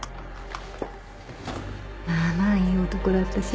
まあまあいい男だったし。